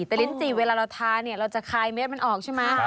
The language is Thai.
แต่ลิ้นจี่เวลาเราทาเนี่ยเราจะคลายเม็ดมันออกใช่ไหม